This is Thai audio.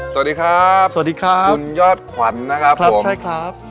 สวัสดีครับสวัสดีครับคุณยอดขวัญนะครับครับผมใช่ครับ